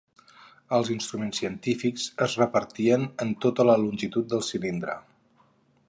Els instruments científics es repartien en tota la longitud del cilindre.